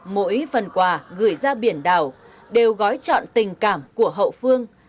mỗi phần quà gửi ra biển đảo đều gói chọn tình cảm của hậu phương